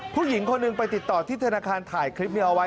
ผู้หญิงคนหนึ่งไปติดต่อที่ธนาคารถ่ายคลิปนี้เอาไว้